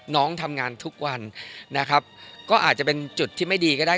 น้องทำงานทุกวันนะครับก็อาจจะเป็นจุดที่ไม่ดีก็ได้